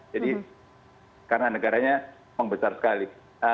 jadi karena negaranya membesar sekali